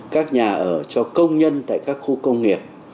các nhà ở cho công nhân tại các khu công nghiệp